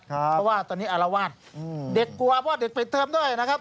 เพราะว่าตอนนี้อารวาสเด็กกลัวเพราะเด็กไปเติมด้วยนะครับ